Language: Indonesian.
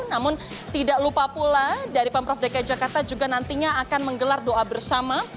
namun tidak lupa pula dari pemprov dki jakarta juga nantinya akan menggelar doa bersama